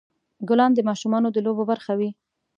ګلان د ماشومان د لوبو برخه وي.